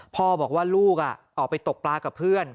พ่อบอกว่าลูกออกไปตกปลากับเพื่อน